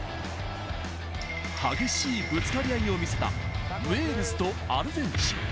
激しいぶつかり合いを見せたウェールズとアルゼンチン。